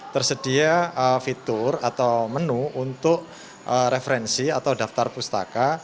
tersedia fitur atau menu untuk referensi atau daftar pustaka